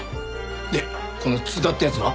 でこの津田って奴は？